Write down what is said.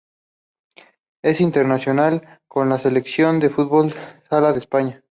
Es internacional con la selección de fútbol sala de España.